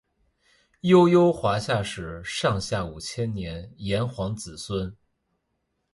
悠悠华夏史上下五千年炎黄子孙